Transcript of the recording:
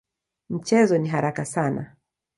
Mchezo ni haraka sana.